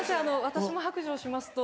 私も白状しますと。